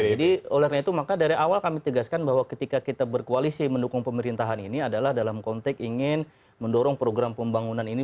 oleh karena itu maka dari awal kami tegaskan bahwa ketika kita berkoalisi mendukung pemerintahan ini adalah dalam konteks ingin mendorong program pembangunan ini